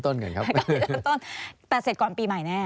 ก็๙๐ต้นกันครับ๙๐ต้นแต่เสร็จก่อนปีใหม่แน่